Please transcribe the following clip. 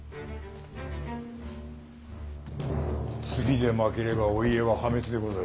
次で負ければお家は破滅でござる。